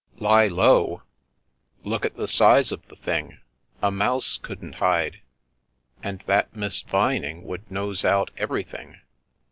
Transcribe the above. "Lie low! Look at the size of the thing! A mouse couldn't hide! And that Miss Vining would nose out everything.